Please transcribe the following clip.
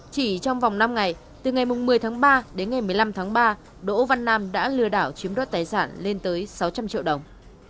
chỉ trong vòng năm ngày từ ngày một mươi tháng ba đến ngày một mươi năm tháng ba đỗ văn nam đã lừa đảo chiếm đoạt tài sản lên tới sáu trăm linh triệu đồng